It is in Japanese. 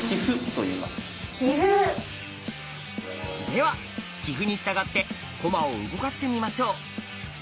では棋譜に従って駒を動かしてみましょう。